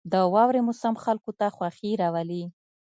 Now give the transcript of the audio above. • د واورې موسم خلکو ته خوښي راولي.